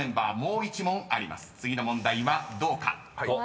［次の問題はどうか？］